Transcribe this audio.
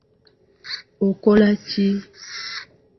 Okola ki?